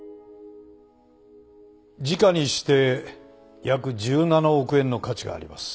時価にして約１７億円の価値があります。